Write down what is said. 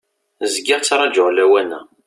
Zgiɣ ttrajuɣ lawan-a.